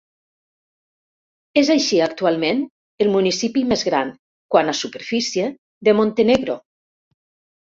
És així, actualment, el municipi més gran, quant a superfície, de Montenegro.